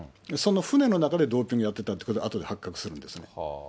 その船の中でドーピングやってたということが、あとで発覚するんですね。